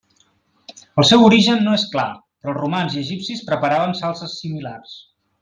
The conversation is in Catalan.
El seu origen no és clar, però els romans i egipcis preparaven salses similars.